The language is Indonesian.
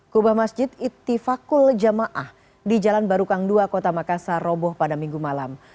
kubah masjid ittifakul jamaah di jalan barukang dua kota makassar roboh pada minggu malam